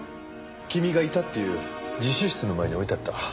君がいたっていう自習室の前に置いてあった。